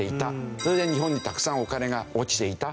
それで日本にたくさんお金が落ちていたという事になる。